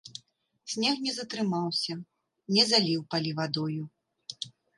Снег не затрымаўся, не заліў палі вадою.